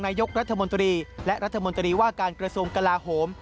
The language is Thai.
นายกรัฐมนตรีและรัฐมนตรีว่าการกระทรวงกลาโหม